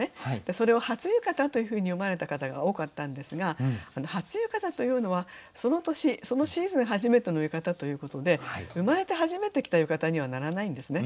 それを「初浴衣」というふうに詠まれた方が多かったんですが「初浴衣」というのはその年そのシーズン初めての浴衣ということで生まれて初めて着た浴衣にはならないんですね。